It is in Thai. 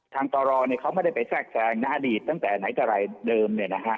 ตรเขาไม่ได้ไปแทรกแทรงในอดีตตั้งแต่ไหนแต่ไรเดิม